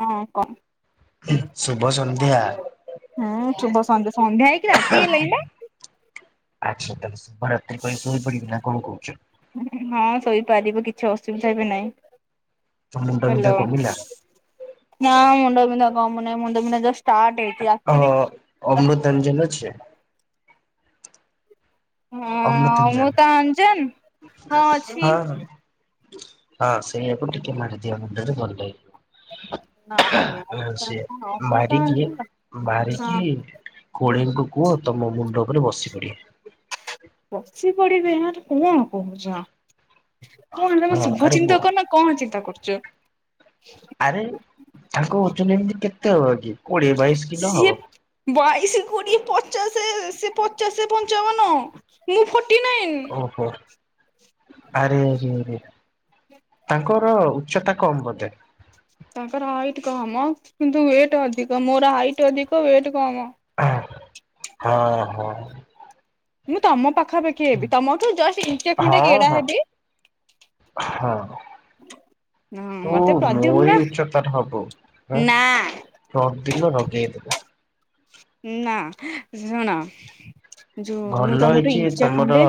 ହଁ କ। ଶୁଭ ସନ୍ଧ୍ୟା। ହୁଁ ଶୁଭ ସନ୍ଧ୍ୟା, ସନ୍ଧ୍ୟା ହେଇକି ରାତି ହେଲାଣି ନା। ଆଚ୍ଛା ତାହେଲେ ଶୁଭ ରାତ୍ରି ପାଇଁ ଶୋଇ ପଡିବି ନା କଣ କହୁଛ? ହଁ ଶୋଇପାରିବ କି କିଛି ଅସୁବିଧା ବି ନାହିଁ, ତୋ ମୁଣ୍ଡ ବିନ୍ଧା ହ୍ୟାଲୋ। କମିଲା ନାଁ ମୁଣ୍ଡ ବିନ୍ଧା କମୁନାଇ ମୁଣ୍ଡ ବିନ୍ଧା ଜଷ୍ଟ ଷ୍ଟାର୍ଟ ହେଇଛି ରାତିରେ ହଁ ଅମୃତାଞ୍ଜନ ଅଛି। ହଁ ମୁଁ ତ ଅଞ୍ଜନ ଅମୃତାଞ୍ଜନ ହଁ ହଁ। ହଁ ସେଇଆ କୁ ଟିକେ ମାରିଦିଅ ମୁଣ୍ଡରେ ଭଲ ହେଇଯିବ। ନାଇଁ ଅମୃତାଞ୍ଜନ ହଁ [unintelligible] ଖୁଡିଙ୍କୁ କୁହ ତମ ମୁଣ୍ଡ ଉପରେ ବସି ପଡିବେ। ବସି ପଡିବେ, ଆରେ କଣ କହୁଛ? କଣ ତମେ ହଁ ଶୁଭ ଆରେ ବ ଚିନ୍ତକ ନା କଣ ଚିନ୍ତା କରୁଚ? ଆରେ ତାଙ୍କ ଓଜନ ଏମିତି କେତେ ହେବ କି? କୋଡିଏ ବାଇଶ କିଲୋ ହବ। ବାଇଶ, କୋଡିଏ, ପଚାଶେ ସେ ପଚାଶେ, ପଞ୍ଚାବନ। ମୁଁ ଫୋର୍ଟି ନାଇନ୍। ଓହୋ ଆରେ ଆରେ ଆରେ। ତାଙ୍କର ଉଚ୍ଚତା କମ୍ ବୋଧେ। ତାଙ୍କର ହାଇଟ୍ କମ୍ କିନ୍ତୁ ୱେଟ୍ ଅଧିକ ମୋର ହାଇଟ୍ ଅଧିକ ୱେଟ୍ କମ୍। ହଁ ହଁ। ମୁଁ ତମ ପାଖାପାଖି ହେବି ତମଠୁ ଜଷ୍ଟ ଇଞ୍ଚେ ଖଣ୍ଡେ ହଁ ଗେଡା ହଁ ହେବି। ହଁ। ହଁ ତୁ ମତେ ମୋରି ପ୍ରଦ୍ୟୁମ୍ନା ଉଚ୍ଚତା ର ହବୁ ହାଁ। ନା ପରଦିନ ରଗେଇ ଦେଲା। ନା ଶୁଣ। ଯୋଉ ମୁଁ ଭଲ ତମଠୁ ହେଇଛି ଇଞ୍ଚେ ତମର ଖଣ୍ଡେ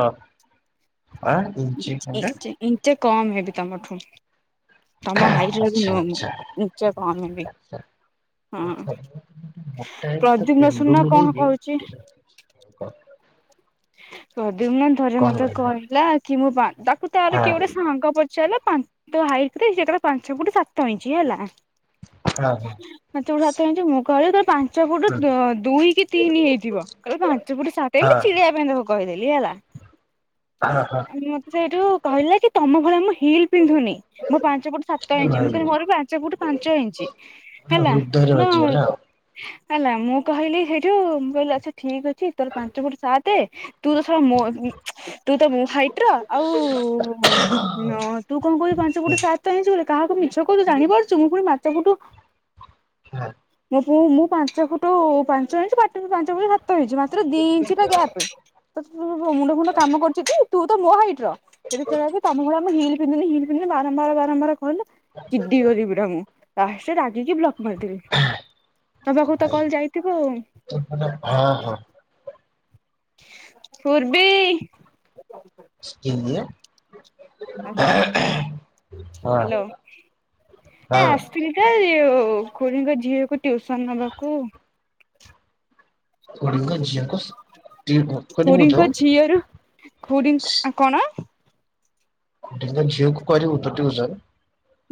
ଆ ଇଞ୍ଚେ ଖଣ୍ଡେ। ଇଞ୍ଚେ ଇଞ୍ଚେ କମ୍ ହେବି ତମଠୁ। ତମ ହାଇଟର ବି ଆଚ୍ଛା ନୁହଁ ମୁଁ ଆଚ୍ଛା। ଇଞ୍ଚେ କମ୍ ହେବି। ହୁଁ ଆଚ୍ଛା। ମୋଟା ହେଇଛି ତ ପ୍ରଦ୍ୟୁମ୍ନ ପେଣ୍ଡୁଲୁ ଶୁଣୁନ କଣ ହେଇକି କହୁଛି। ପ୍ରଦ୍ୟୁମ୍ନ। ଥରେ କଣ ମତେ କହିଲ କହିଲା କି ମୁଁ ପା ତାକୁ ତାର ହଁ କିଏ ଗୋଟେ ସାଙ୍ଗ ପଚାରିଲା ତା ତୋ ହାଇଟ କେତେ ସିଏ କହିଲା ପାଞ୍ଚ ଫୁଟ୍ ସାତ ଇଞ୍ଚ ହେଲା। ହଁ ହଁ। ପାଞ୍ଚ ଫୁଟ୍ ସାତ ଇଞ୍ଚ ମୁଁ କହିଲି ତୋର ପା ପାଞ୍ଚ ଫୁଟ୍ ହୁଁ ଦୁ ଦୁଇ କି ତିନି ହେଇଥିବ କହିଲା ପାଞ୍ଚ ଫୁଟ୍ ସାତ ହଁ ଇଞ୍ଚ ଚିଡ଼େଇବା ପାଇଁ ତାକୁ କହିଦେଲି ହେଲା। ହଁ ହଁ। ଆ ମତେ ସେଇଠୁ କହିଲା କି ତମ ଭଳିଆ ମୁଁ ହିଲ୍ ପିନ୍ଧୁନି। ମୁଁ ପାଞ୍ଚ ଫୁଟ୍ ସାତ ଇଞ୍ଚ ମୁଁ ଭାଇ କହିଲି ମୋର ପାଞ୍ଚ ଫୁଟ୍ ପାଞ୍ଚ ଇଞ୍ଚ। ହେଲା ହୃଦୟରେ ନା। ବାଜିଗଲା ଆଉ। ହେଲା ମୁଁ କହିଲି ସେଇଠୁ ମୁଁ କହିଲି ଆଚ୍ଛା ଠିକ ଅଛି ତୋର ପାଞ୍ଚଫୁଟ୍ ସାତେ। ତୁ ତ ଶଳା ମୋ ଉଁ ତୁ ତ ମୋ ହାଇଟ୍ ର ଆଉ। ହଁ ତୁ କଣ କହୁଛୁ ପାଞ୍ଚ ଫୁଟ୍ ସାତ ଇଞ୍ଚ୍ ବୋଲି କାହାକୁ ମିଛ କହୁଛୁ ଜାଣିପାରୁଛ ମୁଁ ପୁଣି ମା ସବୁଠୁ। ହଁ। ମୁଁ ପୁଣି ମୁଁ ପାଞ୍ଚ ଫୁଟୁ ପାଞ୍ଚ ଇଞ୍ଚ ପାଟିରୁ ପାଞ୍ଚ ଫୁଟ ସାତ ଇଞ୍ଚି ମାତ୍ର ଦି ଇଞ୍ଚି ତ ଗ୍ୟା [unintelligible] ମୁଣ୍ଡ ଫୁଣ୍ଡ କାମ କରୁଚି ଟି ତୁ ତ ମୋ ହାଇଟ୍ ର ସେଠୁ କହିଲା କି ତମ ଭଳିଆ ମୁଁ ହିଲ ହିଲ୍ ପିନ୍ଧୁନି ହିଲ୍ ପିନ୍ଧୁନି ବାରମ୍ୱାର ବାରମ୍ବାର କହିଲା ଚିଡି ଗଲି ପୁରା ମୁଁ। ଲାଷ୍ଟରେ ରାଗିକି ବ୍ଲକ୍ ମାରିଦେବି ତୋ ପାଖକୁ ତ କଲ ଯାଇଥିବ ଆଉ। ହଁ ହଁ। ପୂର୍ବୀ। କିଏ ଇଏ? ଆଉ ଯା ହଁ ହାଲୋ ଏ ହଁ ଆସିଥିଲି। ସେ [unintelligible] ଖୁଡ଼ିଙ୍କ ଝିଅକୁ ଟିଉସନ ନବାକୁ। ଖୁଡ଼ିଙ୍କ ଝିଅଙ୍କୁ ଖୁଡ଼ିଙ୍କ ଝିଅ ର ଖୁଡ଼ି। କଣ? ଖୁଡ଼ିଙ୍କ ଝିଅକୁ କରିବୁ ତୁ ଟିଉସନ।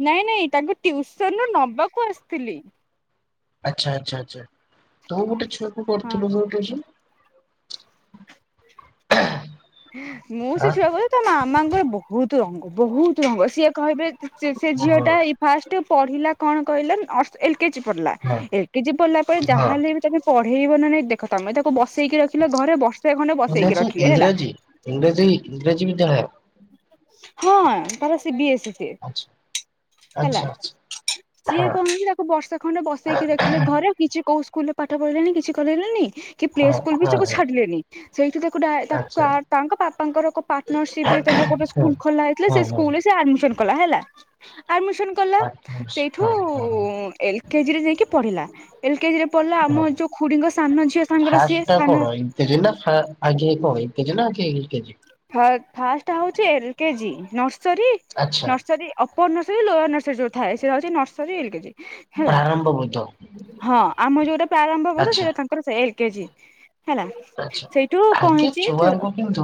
ନାଇଁ ନାଇଁ ତାକୁ ଟିଉସନ ରୁ ନବାକୁ ଆସିଥିଲି। ଆଚ୍ଛା ଆଚ୍ଛା ଆଚ୍ଛା କଉ ଗୋଟେ ଛୁଆକୁ ହଁ କରୁଥିଲୁ ତୁ ଟିଉସନ୍। ମୁଁ ସେ ଛୁଆ କ [unintelligible] ତା ମାମାଙ୍କର ବହୁତ ରଙ୍ଗ ବହୁତ ରଙ୍ଗ ସିଏ କହିବେ। ସେ ସେ ଝିଅ ଓହୋ ଟା ଏଇ ଫାର୍ଷ୍ଟ ପଢ଼ିଲା କଣ କହିଲେ ଅସ ଏଲ ଏଲ କେ ଜି ପଢ଼ିଲା ହଁ ଏଲ କେ ଜି ପଢ଼ିଲା ପରେ ହଁ ଯାହା ହେଲେ ବି ତମେ ପଢ଼େଇବ ନା ନାଇ ଦେ ଦେଖ ତାକୁ ତମେ ତାକୁ ବସେଇକି ରଖିଲ ଘରେ ବର୍ଷେ ଖଣ୍ଡେ ବସେଇକି ରଖିଲେ ହେଲା। ଇଂରେଜୀ ଇଂରାଜୀ ବିଦ୍ୟାଳୟ। ହଁ ତାର ସି ବି ଏସ୍। ସିଏ ଆଚ୍ଛ ହେଲା ସିଏ କଣ ହେଲା ଆକୁ ବର୍ଷ ଖଣ୍ଡେ ବସେଇକି ରଖିଲେ ଘରେ କିଛି କୋଉ ସ୍କୁଲ ରେ ପାଠ ପଢ଼ିଲେନି କିଛି କରେଇଲେନି କି ପ୍ଲେ ହଁ ସ୍କୁଲ ବି ହଁ ତାକୁ ହଁ ଛାଡ଼ିଲେନି। ସେଇଠୁ ତାକୁ ଡା ତାକୁ ଆଚ୍ଛା କା ତାଙ୍କ ବାପାଙ୍କର କ ପାର୍ଟନରସିପ ରେ ତାଙ୍କର ଗୋଟେ ହଁ ସ୍କୁଲ ଖୋଲା ହେଇଥିଲା ହଁ ସେ ହଁ ସ୍କୁଲ ରେ ସେ ଆଡମିସନ୍ କଲା ହେଲା ଆଡମିସନ୍ କଲା ଆଚ୍ଛା ସେଠୁ ହଁ ହଁ ହଁ ଏଲ ଏଲକେଜି ଯାଇକି ପଢ଼ିଲା ଏଲ କେଜି ରେ ପଢ଼ିଲା, ଆମ ଯୋଉ ଖୁଡ଼ିଙ୍କ ସାନ ଝିଅ ସାଙ୍ଗର ସିଏ ସାନ କେଜି ନା ଫା ଆଗେ କଣ ଏଲକେଜି ନା ୟୁ କେଜି? ଫାଷ୍ଟ ହଉଛି ଏଲ କେଜି ନର୍ସରୀ ଆଚ୍ଛା ନର୍ସରୀ ପୋରନର୍ସରୀ ଲୋୟଲ ନର୍ସରୀ ଯୋଉ ଥାଏ ସେଟା ହେଉଛି ନର୍ସରୀ, ଏଲ୍ କେଜି। ହେଲା ପ୍ରାରମ୍ଭ ବୋଧ ହଁ ଆମ ଯୋଉଟା ପ୍ରାରମ୍ଭ ବୋଧ ଆଚ୍ଛା ସେଟା ତାଙ୍କର ସେ ଏଲ କେଜି। ହେଲା ସେଇଠୁ କଣ ହେଇଚି। କୁହନ୍ତୁ?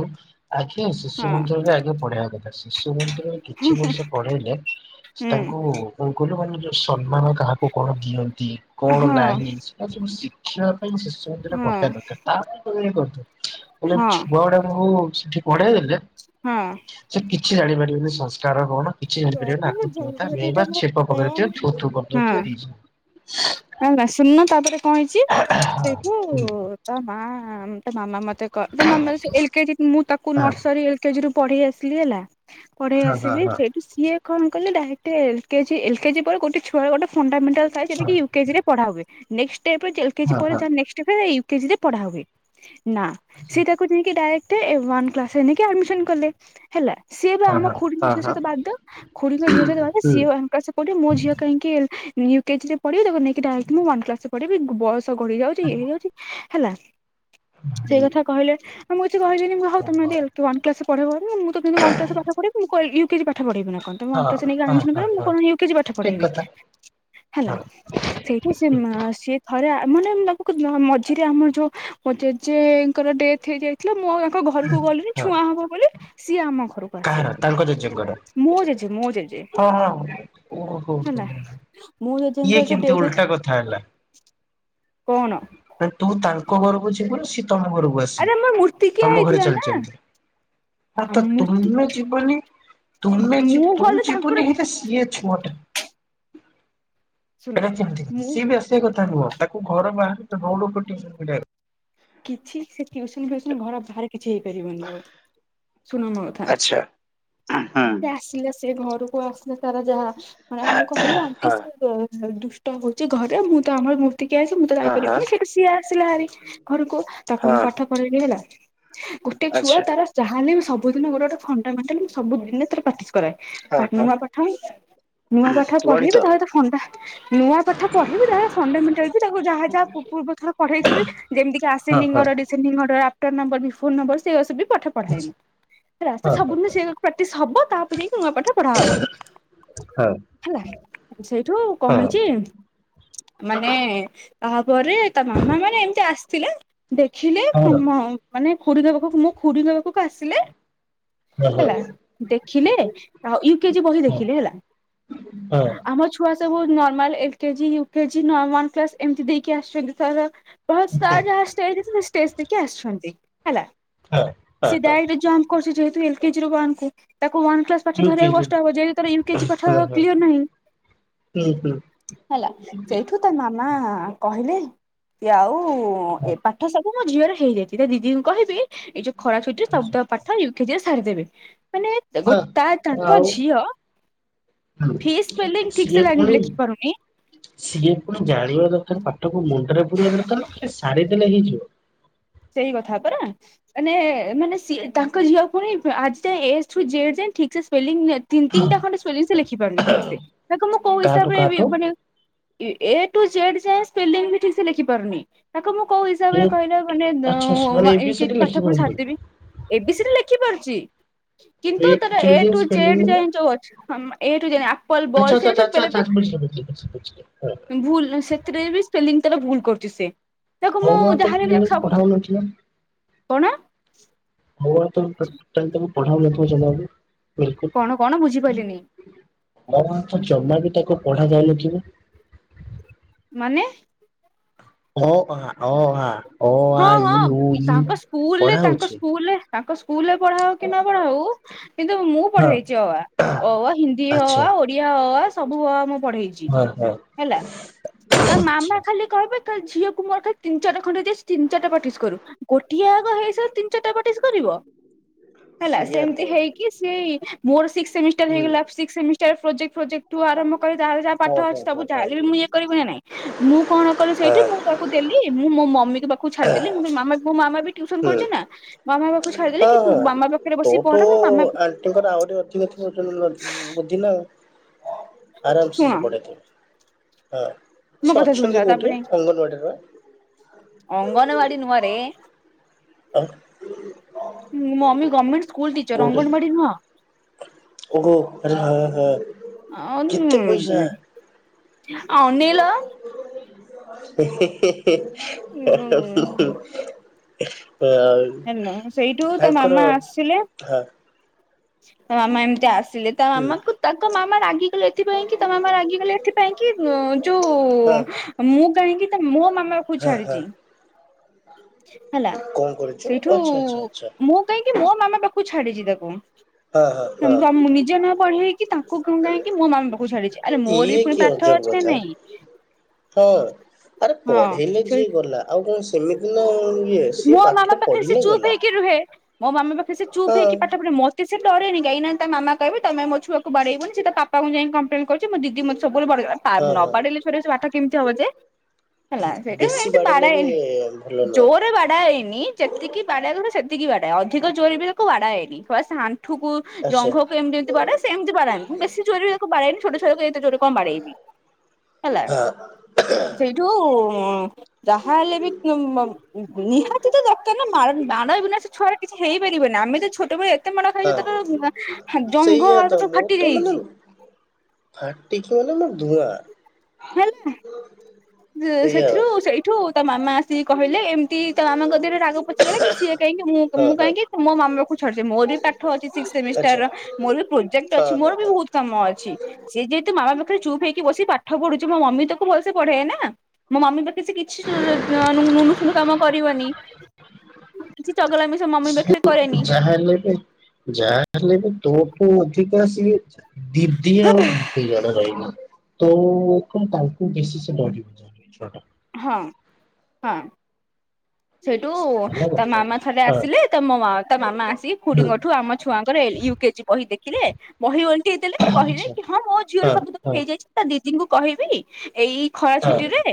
ଆଜ୍ଞା ଶିଶୁ ମନ୍ଦିରରେ ଆଗେ ପଢ଼େଇବା କଥା ଶିଶୁ ମନ୍ଦିରରେ କିଛି ବର୍ଷ ପଢ଼େଇଲେ ହୁଁ ତାଙ୍କୁ କଣ କହିଲ ମାନ ଯୋଉ ସମ୍ମାନ କାହାକୁ କଣ ଦିଅନ୍ତି କଣ ହଁ ନାହିଁ। ତା ସବୁ ଶିକ୍ଷିବା ପାଇଁ ଶିଶୁମନ୍ଦିର ହଁ ପଠେଇବା ଦରକାର ତା ପାଇଁ କ କରୁଥ ହେଲେ ହଁ ଛୁଆ ଗୁଡ଼ାଙ୍କୁ ସେଠି ପଢ଼େଇ ଦେଲେ ହଁ ସେ କିଛି ଜାଣିପାରିବେନି ସଂସ୍କାର କଣ? କିଛି ଜାଣିପାରିବ ନାକୁ ତୁ ତା ଭେଁ ଭାଁ ଛେପ ହଁ ପକେଇ ଦଉଥିବେ, ଥୁ ଥୁ କରିଦଉଥିବେ ଏଇସବୁ। ନା ନା ଶୁଣୁନ ତାପରେ କଣ ହେଇଛି ସେଠୁ ହୁଁ ତା ମା ତା ମାମା ମତେ ତା ମାମ ଏଲ କେଜି ମୁଁ ତାକୁ ହଁ ନର୍ସରୀ ଏଲ କେଜି ରୁ ପଢ଼େଇ ଆସିଲି ହେଲା। ପଢ଼େଇ ହଁ ଆସିଲି ହଁ ସେଇଠୁ ସିଏ କଣ କଲେ direct L KG L KG ପରେ ଗୋଟେ ଛୁଆ ଗୋଟେ ଫଣ୍ଡାମେଣ୍ଟାଲ ଲ ଥାଏ ଯୋଟା ହଁ କି ୟୁ କେଜି ରେ ପଢ଼ା ହୁଏ। ନେକ୍ସଟ୍ ଷ୍ଟେପରେ ଏଲ କେଜି ହଁ ହଁ ପରେ ହଁ ଯାର ନେକ୍ସଟ୍ ୟୁ କଜିରେ ପଢ଼ା ହୁଏ। ନା ସେଇଟା ସେ ତାକୁ ନେଇକି ଡାଇରେକ୍ଟ ଏ ୱାନ କ୍ଲାସ୍ ରେ ନେଇ କି ଆଡମିଶନ୍ କଲେ, ହେଲା ସିଏ ଭି ହଁ ଆମ ଖୁଡ଼ିଙ୍କ ହଁ ଝିଅ ହଁ ହଁ ସହିତ ବାଦ ଖୁଡ଼ିଙ୍କ ଝିଅ ସହିତ ବାଦ ହୁଁ ସିଏ ସେ କହୁଛି ମୋ ଝିଅ କାହିଁକି ୟୁ କେଜି ରେ ପଢ଼ିବ ତାକୁ ନେଇକି ଡାଇରେକ୍ଟ ନେଇ କି ମୁଁ ୱାନ କ୍ଲାସ୍ ରେ ପଢ଼େଇବି ବୟସ ସ ଗଡିଯାଉଛି ୟେ ହେଇଯାଉଛି, ହେଲା ସେଇ ଏଇ କଥା କହିଲେ ଆଉ ମୁଁ କିଛି କହିିଲିନି ହଉ ହଁ ତମ ହଁ ଯଦି ୱାନ କ୍ଲାସ୍ ରେ ପଢେଇବ ଯଦି ମୁଁ ତ ୱାନ୍ କ୍ଲାସ୍ ପାଠ ପଢେଇବି ମୁଁ ୟୁ କେଜି ପାଠ ପଢେଇବି ନା କଣ? ତମେ ହଁ ୱାନ କ୍ଲାସ୍ ରେ ନେଇକି ହଁ ଆଡମିଶନ୍ ହଁ କରିବ ମୁଁ ହଁ କଣ ୟୁ କେଜି ପାଠ ଠିକ ପଢେଇବି କଥା ହେଲା। ହଁ ସେଇଠୁ ସେ ସିଏ ଥରେ ମାନେ ମୁଁ ତା ମଝିରେ ଆମର ଯୋଉ ମୋ ଜେ ଜେଜେଙ୍କର ଡେଥ ହେଇଯାଇ ଇଥିଲା ମୁଁ ତାଙ୍କ ଘରକୁ ଗଲିଣିି ହଁ ଛୁଆଁ ହବ ବୋଲି ସିଏ ଆମ ଘରକୁ କାହାର ଆସେ। ତାଙ୍କ ଜେଜେଙ୍କର? ମୋ ଜେଜେ ମୋ ଜେଜେ। ଓ ହଁ। ଓହୋ ହୋ ହେଲା ମୋ ଇଏ ଜେଜେଙ୍କର କେମିତି ଯୋଉ ଡେଥ ଉଲଟା କଥା ହେଲା କଣ? ତୁ ତାଙ୍କ ଘରକୁ ଜିବୁ ନା ସେ ତମ ଘରକୁ? ଆସିବେ ଆରେ ଆମର ମୂର୍ତ୍ତି ତମ କିିଆ ଘରେ ହେଇଥିଲା ନା। ଚାଲିଛନ୍ତି ହଁ ଆ ତ ମୂର୍ତ୍ତି ତୁମେ ଯିବନି? ତୁମେ ମୁଁ ଯିବୁ ତୁ ଗଲେ ତାଙ୍କର ଯିବୁନି ସିଏ ଛୁଆଟା ଶୁଣ ଏଇଟା କେମିତି କଥା ମୁଁ ସିଏ ବି ଆସିବା କଥା ନୁହଁ ତାକୁ ଘର ବାହାରେ ରୋଡ୍ ଉପରେ ଟିଉସନ କରିବା କଥା। କିଛି ସେ ଟିଉସନ ଫିଉସନ ଘର ବାହାରେ କିଛି ହେଇପାରିବନି ଆଉ। ଶୁଣ ଆଛା ହୁଁ। ହଁ ଆସିଲେ ସେ ଘରକୁ ଆସିଲେ ତାରା ଯାହା ମାନେ ମୁଁ କହିଲି ଆଣ୍ଟି ସେ ଦୁ ଷ୍ଟ ହଉଛିି ଘରେ ମୁଁ ତ ଆମର ମୂର୍ତ୍ତି କିଆ ହେଇଛି ମୁଁ ତ ହଁ ହଁ ଯାଇପାରିବିନି ସେଇଠୁ ସିଏ ଆସିଲା ହାରି। ଘରକୁ ତାକୁ ମୁଁ ହଁ ପାଠ ପଢି ବାକି ହେଲା ଗୋଟେ ଛୁଆ ଆଚ୍ଛା ତାର ଯାହାେଲେ ବି ସବୁଦିନ ଗୋଟେ ଗୋଟେ ଫଣ୍ଡାମେଣ୍ଟାଲ ସବୁଦିନେ ପ୍ରାକ୍ଟିସ୍ କରାଏ ହଁ ହଁ ନୂଆ ପାଠ ହିଁ ନୂଆ ପାଠ ଗଣିତ ପଢେଇବି ତାେଲେ ଫୋନ ଟା ନୂଆ ପାଠ ପଢେଇବି ତାହା ସହିତ ଫଣ୍ଡାମେଣ୍ଟାଲ ବି ଯାହା ତାକୁ ଯାହା ଯାହାବ ଥର ପଢେଇ ଥିବି ଯେମିତି କି ହଁ ଆସେଣ୍ଡିଙ୍ଗ ହଁ order descending order after number before number ସେଇରା ସବୁ ପାଠ ପଢ଼ାଏ ମୁଁ ହେଲା ସେ ସବୁ ମିଶେଇ ପା ସବୁ ପ ଯକି ନୂଆ ପାଠ ପଢା ହବ ହେଲା ସେଇଠୁ କଣ ହଁ ହେଇଛି। ମାନେ ତାପରେ ତା ମାମା ମାନେ ଏମତି ଆସିଥିଲେ। ଦେଖିଲି ମାନେ ହଁ ମ ମାନେ ଖୁୁଡି ପାଖକୁ ମୁଁ ଖୁଡୀଙ୍କ ପାଖକୁ ଆସିଲେ ହଁ ହଁ ହେଲା ଦେଖିଲେ ୟୁକେଜି ବହି ଦେଖିଲେ ହେଲା ହଁ ଆମ ଛୁ ଛୁଆ ସବୁ normal L KG you KG normal class ଏମିତି ଦେଇକି ଆସିଛନ୍ତି ତର ବହୁତ ସାର ଯାହା ଷ୍ଟେଜ ଅ ଷ୍ଟେଜ ଦେକି ଆସିୁଛନ୍ତି ହେଲା ହଁ ହଁ ସି ହଁ ଦାୟି କହୁଛି ଯେହେତୁ ଏଲ କେଜିର ୱାନ୍ କୁ ତାକୁ ୱାନ୍ କ୍ଲାସ୍ ପାଠ ଧରିବାକୁ ୟୁକେଜି କଷ୍ଟ ହବ ଯଦି ୟୁକେଜି ପାଠ ହଁ ହଁ କ୍ଲିୟର ନାହିଁ ହୁଁ ହୁଁ ତୁ ତା ମାମା କହିଲେ କି ଆଉ ଏ ପାଠ ସବୁ ମୋ ଝିଅରେ ହେଇଯାଇଛି ଦିଦିଙ୍କୁ କହିବି ଏଇ ଯୋ ଖରା ଛୁଟିତି ଶବ୍ଦ ପାଠ ୟୁ କେଜି ସାରିଦେବେ ମାନେ ହଁ ତା ତାଙ୍କ ଆଉ ଝିଅ ଫିସ୍ ସ୍ପେଲିଂ ଠିକ ସିଏ ସେ ପୁଣି ଲାଗିବି ଲେଖିପାରୁନି। ସିଏ ପୁଣ ଜାଣିବା ଦରକାର ପାଠକୁ ମୁଣ୍ଡରେ ପୂୁରିବା ଦରକାର ସାରିଦେଲେ ହେଇଯିବ। ସେଇ କଥା ପରା ମାନେ ମାନେ ସ ତାଙ୍କ ଝିଅକୁୁଣି ଆଜି ଯ ଏ ଠୁ ଜେଡ ଯାଏ ଠିକ ସେ ସ୍ପେଲିଂ ତିନି ତିନିଟା ଖଣ୍ଡେ ସଵ ସେ ଲେଖିପାରୁନି ଠିକ ସେ ତାକୁ ମୁଁ କୋ କାହାଠୁ କାହାଠୁ ହିସାବରେ ମାନେ ଏ ଟୁ ଜେଡ୍ ଯାଏଁ ସ୍ପେଲିଂ ବି ଠିକ ସେ ଲେଖିପାରୁନି ତାକୁ ମୁଁ କୋ ହିସାବରେ ମୁଁ କହିଲା ମାନେ ଆଚ୍ଛା ମାନେ A B C D LKG ପାଠ ପି ଲେଖିପାରୁନି। ସାରଦେବି ଏ ବି ସି ଡି ଲେଖିପାରୁଛି। କିନ୍ତୁ ୱେଟ୍ ତାର ଏ ଚେଞ୍ଜିଂ ଠୁ ସ୍ପେଲିଂ ଜେଡ ଯୋଉ ଅଛି ଏ ଠୁ ଜେଡ ଆପଲ ଆଚ୍ଛା ବଲ ଆଚ୍ଛା ସେଇ ଆଚ୍ଛା ବେଲେ ଆଚ୍ଛା [unintelligible] ସେଥିରେ ବି ସ୍ପେଲିଂ ତାର ଭୁଲ କରୁଛି ସେ ତାକୁ ହଉ ମୁଁ ମା ତ ଯାହାହେଲେ ବି ତାକୁ ସବୁ ପଠାଉନଥିଲା? କଣ ହଉ ତ ଟ ତମ ପଢା ନଥିବା ସେଟକୁ ବିଲକୁଲ କଣ କଣ ବୁଝିପାରିଲିନି। ମ ବାଙ୍କ ଜମା ବି ତାକୁ ପଢ ଯାଇନଥିବ। ମାନେ ଅ ଆ ଅ ଆ ଅ ଆ ହଁ ହଁ ଇ ଉ ଇ ତାଙ୍କ ସ୍କୁଲରେ ପଢା ତାଙ୍କ ହଉଛି। ସ୍କୁଲରେ ତାଙ୍କ ସ୍କୁଲରେ ପଢା ହଉ କି ନ ପଢା ହଉ କିନ୍ତୁ ମୁଁ ହଁ ପଢେଇେଇଛି ଅ ଆ ହିନ୍ଦୀ ଅ ଆଚ୍ଛା ଆ ଓଡିଆ ଅ ଆ ସବୁ ଅ ଆ ମୁଁ ପଢେଇଛି। ହଁ ହଁ ହେଲା ତା ମାମା ଆଚ୍ଛା। ଖାଲି କହିବେ ତା ଝିଅକୁ ମୋର ଖାଲି ତିନି ଚାର ଖଣ୍ଡେ ଯ ତିନି ଚାରଟା ପ୍ରଟିସ୍ କରୁ ଗୋଟିଏ ଆଗ ହେଇସାରା ତିନି ଚିଟା ପ୍ରଟିସ୍ କରିବ। ହେଲା ସେଇଆ ସେମିତି ତ ହେଇକି ସେ ମୋରି ସିକ୍ସ ସେମିଷ୍ଟର ହୁଁ ହେଇଗଲା୍ ସିକ୍ସ ସେମି ଷ୍ଟର ପ୍ରୋଜେକ୍ଟ ପ୍ରୋଜେକ୍ଟଠୁ ଆରମ୍ଭ କରି ତାେଲେ ଯହା ପାଠ ହଁ ହଁ ଅଛି ସବୁ ହଁ ହଁ ଜାହେଲେ ମୁ ଇଏ କରିବି ନାଇଁ ମୁଁ କଣ କଲି ସେଇଠି ହଁ ମୁଁ ତା ଦେଲି ମୁଁ ମୋ ମମି କ ପାଖକୁ ଛାଡିଦେଲି ମୁ ମ ମୋ ମାମା ବି ଟୁସନ ହୁଁ କରୁଛି ନା ମୋ ମାମା ପାଖ ଛାଦେଲେ ହଁ କି ତୁ ମାମା ପାଖରେ ବସିକ ପଢେ ମୋ ମାମା ତାଙ୍କର ଆହୁରି ଅଧିକଥିବ ବୁଝି ନା ଆଉ ଆରାମସେ ଶୁଣ ସେ ପଢ଼େଇଥିବେ ହଁ ମୋ ସେ କଥା ଶୁଣି ଅଛନ୍ତି ସାର କୋଉଠି ଅଙ୍ଗନବାଡିର ବା ଅଙ୍ଗନବାଡ଼ିୀ ନୁହେଁରେ ଆଉ ମୋ mummy government school teacher anganwadi ନୁହଁ। ଓୋ ଆଛା ହ ହ ହଉ ହ ଅନେଇଲ [unintelligible] ହୁଁ ହଉ। ହେଲୋ ସେଇଠୁ ତ ମାମା ଆସଥିଲେ ହଁ ତ ମାମା ଏମିତି ଆସିଲେ। ତା ହୁଁ ମାମାକୁ ତାଙ୍କ ମାମା ରାଗିଗଲେ ଏଥିପାଇଁ କି ତା ମାମା ରାଗିଗଲେ ଏଥିପାଇଁ କି ଯୋଉ ହଁ ମୁଁ କାହିଁକି ତା ମୋ ମାମା ପାଖକୁ ହଁ ହଁ ଛାଡିଛି ହେଲା କଣ କରୁଛୁ ସେଇଠୁ ଆଚ୍ଛା ଆଚ୍ଛା ଆଚ୍ଛା। ମୁଁ କାହିଁକି ମୋ ମାମା ପାଖକୁ ଛାଡ଼ିଲି ତାକୁ। ହଁ ହଁ। ହଁ ନିଜ ନ ପଢେଇକି ତାଙ୍କୁଣ ଗାଇଁକି ମୋ ମାମା ପାଖକୁ ଛାଡିଛି ଆରେ ମୋର ଇଏ ବି ପୁଣି କି ପାଠ ଅଜବ ଅଛି ନା କଥା ନାଇଁ। ହଁ ଆରେ ହଁ ପଢେଇଲେ ସେ ଯିଏ ଗଲା ଆଉ କଣ ସେମିତି ନା ଆଉ ମୋ ମାମା ପାଖରେ ସେ ଚୁପ୍ଇକି ରୁହେ ମୋ ମାମା ପାଖରେ ସେ ହଁ ଚୁପ୍ଇକି ପାଠ ପଢେ ମୋ ସେ ଡରେନ କାଇଁ ନା ତା ମାମ କହିବେ ତମେ ମୋ ଛୁଆକୁ ବାଡେଇବନି ସେ ବାପାଙ୍କୁ ଯାଇ କପଲେନ କରୁଛି ମୋ ଦି ମତେ ସବୁବେଳେ ବାଡ ହଁ ନ ହଁ ବାଡିଲେ ଛୁଆଁ ଟି ପାଠ କେମିତି ହବ ଯେ ହେଲା ସେଇଟା ବେଶୀ ଏମତି ବାଡେଇଲେ ବାଡା ବି ଏନି ଭଲ ନୁହଁ। ବାଡା ହେଇନି ଯେତିକି ବାଡେଇବା କଥା ସେତିକି ବାଡାଏ ଅଧିକ ଜୋର ବି ତାକୁ ବାଡା ହେଇନି ଖ ଆଣ୍ଠୁକୁ ଆଚ୍ଛା ଜଙ୍ଘକୁ ଏମିତି ଏମିତି ବାଡ଼ାଏ ସେମତି ବାଡ଼ାଏ ମୁଁ ବେଶୀ ଜୋରେ ବି ତାକୁ ବାଡ଼ାଏନି ଛୋଟ ଛୋଆକୁ ଏତେ ଜୋରେ କଣ ବାଡେଇବି, ହେଲା ହଁ। ସେଇଠୁ ଯାହା ହେଲେ ବି ନିହାତି ତ ଦରକାର ନା। ମାଡ ବିନା ସେ ଛୁଆଁ ର କିଛି ହେଇପାରିବନି ଆମେ ତ ଛୋଟବେଲୁ ଏତେ ମାଡ ଖାଇଛ ହଁ ତର ଜଙ୍ଘ ସେଇଆ ଆଳୁ ଫାଟି ଯାଇଛି। ଫାଟଟି କି ମାନେ ଆମର ଧୂଆଁ। ହେଲା ସେଇଆ ସେଥିରୁ ସେଇଠୁ ତା ମାମା ଆସି କହିଲେ ଏମ ତି ତା ମାମାଙ୍କ ଦେହରେ ରାଗ ପସିଗଲେ କି ସିଏ କାହିଁକି ମୁଁ ହଁ ମୁଁ ହଁ କାହିଁକି ମୋ ମାମା ପାଖକୁ ଛଡିଛି ମୋର ବି ପା ଅଛି ସିକ୍ସ ଆଚ୍ଛା ସେମିଷ୍ଟାର ମୋର ବି ପ୍ରୋଜେକ୍ଟ ହଁ ଅଛି ହଁ ମୋର ବି ହଁ। ବହୁ ସମୟ ଅଛି ସେ ଯେହେତୁ ମାମା ପାଖରେ ଚୁପ୍ ହେଇକି ବିସିକି ପାଠପଢ଼ୁଛି ମୋ ମମି ତାକୁ ଭଲସେ ପଢେ ଏନା। ମୋ ମମି ପାଖେ ସେ କିଛି ନୁନୁ ସୁନୁ କାମ କରିବନି। କିଛି ଚଗଲାମି ସେ ମମି ପାଖରେ କରେନି [inaudible] ଯାହା ହେଲେ ବି ଯାହା ହେଲେ ବି ତୋ ତୁ ଅଧିକା ଆ ସେ ଦିଦି ଆଉ ଆଣ୍ଟି ଜଣେ ରହିବ। ତ କଣ ତାଙ୍କୁ ବେଶୀ ସେ ଡରି ଯିବ ଛୁଆଟା। ହଁ ହଁ। ସେଇଠୁ ତା ମାମା ଥରେ ଆସିଲେ ତା ମ ତା ମାମା ଆସିକି ଖୁଡିଙ୍କ ଠୁ ଆମ ଛୁଆଙ୍କର ୟୁ କେଜି ବହି ଦେଖିଲେ ବହି ଉଲଟେଇ ଦେଲେ କହିଲେ କି ହଁ ମୋ ଝିଅର ସବୁ ତ ହେଇଯାଇଛି। ତା ଦିଦିଙ୍କୁ କହିବି ଏଇ ଖରା ଛୁଟି ରେ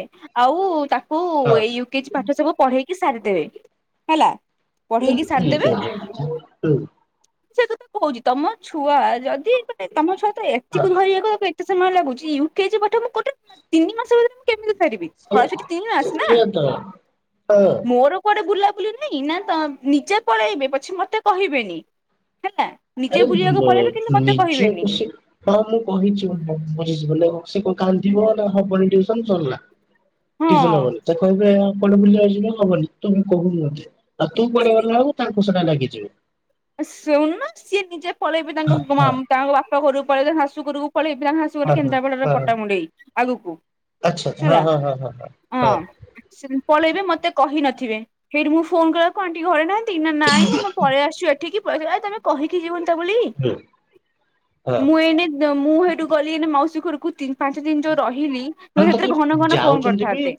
ଆଉ ତାକୁ ଏଇ ୟୁ କେଜି ପାଠ ସେ ସବୁ ପଢେଇକି ସାରିଦେବେ ହେଲା। ପଢେଇକି [inaudible] ସାରିଦେବେ ହୁଁ ସେ କଥା ତ କହୁଛି ତମ ଛୁଆ ଯଦି ମାନେ ତମ ଛୁଆ ତ ଏତିିକୁ ଧରିବାକୁ କେତେ ସମୟ ଲାଗୁଛି ୟୁ କେଜି ପାଠ ମୁଁ ତିନି ମାସ ଭିତରେ କେମିତି ସାରିବି ଖରା ଛୁଟି ତିନି ମାସ ନା ମୋର କୁଆଡେ ବୁଲାବୁଲି ନାଇଁ ନା ତ ନିଜେ ପଳେଇବେ ପଛ ମତେ କହିବେନି। ହେଲା। ନିଜେ ଆରେ ବୁଲିବାକୁ ପଳେଇବେ କିନ୍ତୁ ମତେ କହିବେନି ନିଜକୁ ସେ ହଁ ମୁଁ କହିଛି ବଝିଯିବ ସେ କାନ୍ଦିବ ନା ହବନି ଟୁସନ ସରିଲା। ଟିସନ ହଁ ହବନି ସେ କହିବେ ଆ ପଡେ ବୁଲିିବା ଯିବେ ହବନି ତୁମେ କହୁନି ମତେ ଆଉ ତୁ ପଢେଇାଲାବେଳକୁ ତାଙ୍କୁ ସେଟା ଲାଗିଯିବ। ସୁନୁନୁ ନା ସିଏ ନିଜେ ପଳେଇବେ ତାଙ୍କ ହଁ ତାଙ୍କ ବାପ ଘରକୁ ପଳେଇ ଶାଶୁ ଘରକୁ ପଳେଇ ଗୋଟେ ହଁ ହଁ କେନ୍ଦ୍ରାପଡ଼ାରେ ହଁ ପଟାମୁଣ୍ଡେଇ ଆଗକୁ ଆଚ୍ଛା ହଁ ହେଲା ହଁ ହଁ ହଁ ହଁ। ପଳେଇବେ ମତେ କହି ନଥିବେ ସେଇଠି ମୁଁ ଫୋନ କଲା କ ଆଣ୍ଟି ଘରେ ନାହାନ୍ତି ଦିନ ନାଇଁ ଆଁ ପଳେଇ ଆସିସୁ ଏଠିକି ପଳଇ ଆସୁଛୁ [inaudible] କହିକି ଯିବନ୍ତା ତା ବୋଲି ହଁ ହଁ ମୁଁ ଏନେ ଯେ ମୁଁ ସେଇଠୁ ଗଲିନା ମାଉସୀ ଘରକୁ ତିନ ପାଞ୍ଚ ଦିନ ଯୋଉ ରହିଲି। ମାନେ ତୁ ତାକୁ ସେଥିରେ ଘନ ଘନ ଫୋନ୍ ଯାଉଛନ୍ତି ବି କରିଥାନ୍ତେ।